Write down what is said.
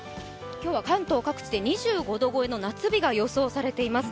今日は関東各地で２５度超えの夏日が予想されています。